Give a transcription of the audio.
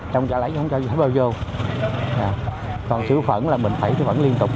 không cho lấy thì không cho shipper vô còn sử dụng phẩn là mình phải sử dụng phẩn liên tục